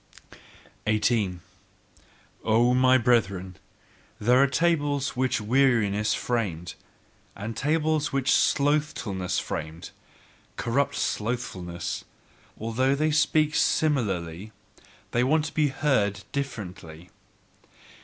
18. O my brethren, there are tables which weariness framed, and tables which slothfulness framed, corrupt slothfulness: although they speak similarly, they want to be heard differently.